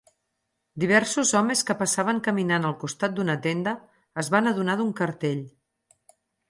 Diversos homes que passaven caminant al costat d'una tenda es van adonar d'un cartell.